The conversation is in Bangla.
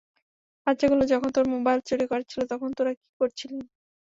বাচ্চাগুলো যখন তোর মোবাইল চুরি করেছিল তখন তোরা কী করছিলি?